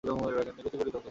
নিকুচি করি তোকে!